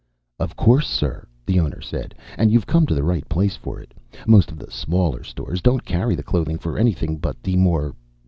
"Of course, sir," the owner said. "And you've come to the right place for it. Most of the smaller stores don't carry the clothing for anything but the more